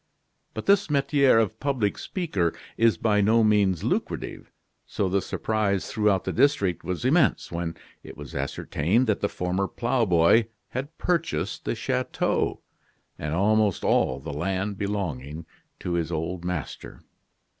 But this metier of public speaker is by no means lucrative, so the surprise throughout the district was immense, when it was ascertained that the former ploughboy had purchased the chateau, and almost all the land belonging to his old master.